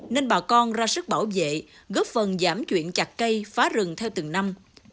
nên bà con ra sức bảo vệ góp phần giảm chuyện chặt cây phá rừng theo từng năm